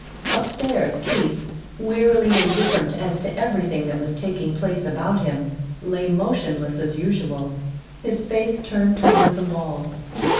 Upstairs, Keith, wearily indifferent as to everything that was taking place about him, lay motionless as usual, his face turned toward the wall.